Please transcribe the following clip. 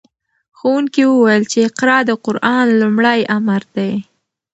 ښوونکي وویل چې اقرأ د قرآن لومړی امر دی.